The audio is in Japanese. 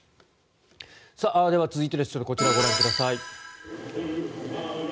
では、続いてこちらをご覧ください。